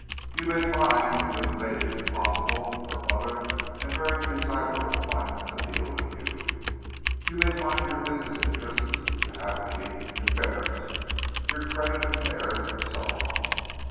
You may find that you have made it impossible for other and very desirable clients to deal with you. You may find your business interests, if you have any, embarrassed—your credit impaired, and so on.